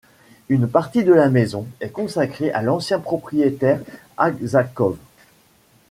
Une partie de la maison est consacrée à l’ancien propriétaire Aksakov.